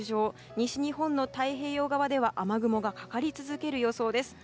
西日本の太平洋側では雨雲がかかり続ける予想です。